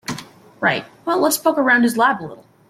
Right, well let's poke around his lab a little.